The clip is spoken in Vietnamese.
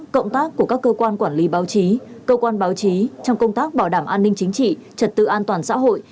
cơ quan báo chí trong công tác bảo đảm an ninh chính trị trật tự an toàn xã hội